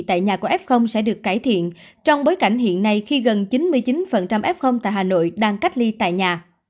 tại nhà của f sẽ được cải thiện trong bối cảnh hiện nay khi gần chín mươi chín f tại hà nội đang cách ly tại nhà